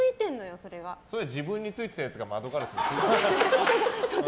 自分についていたやつが窓ガラスについてるのよ。